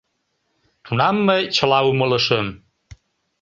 Тунам мый чыла умылышым.